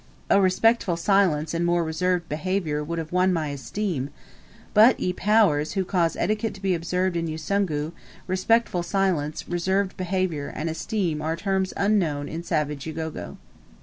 A respectful silence and more reserved behaviour would have won my esteem; but, ye powers, who cause etiquette to be observed in Usungu,* respectful silence, reserved behaviour, and esteem are terms unknown in savage Ugogo.